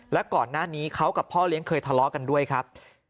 และก่อนหน้านี้เขากับพ่อเลี้ยงเคยทะเลาะกันด้วยครับ